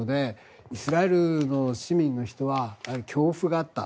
イスラエルの市民の人は恐怖があった。